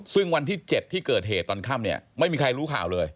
ซึ่งวันที่๗ที่เกิดเหตุตอนค่ำเนี่ยไม่มีใครรู้ข่าวเลย